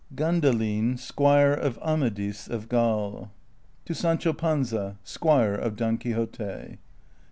GANDALIN, SQUIRE OF AMADIS OF GAUL, TO SANCHO PANZA, SQUIRE OF DON QUIXOTE.